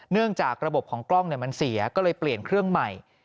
จากระบบของกล้องมันเสียก็เลยเปลี่ยนเครื่องใหม่